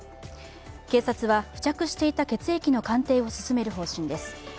警察は付着していた血液の鑑定を進める方針です。